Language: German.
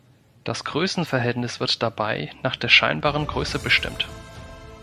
Das Größenverhältnis wird dabei nach der scheinbaren Größe bestimmt.